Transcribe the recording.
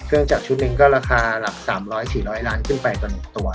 เครื่องจักรชุดหนึ่งก็ราคาหลัก๓๐๐๔๐๐ล้านบาทขึ้นไปตัว